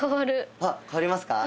あっ変わりますか？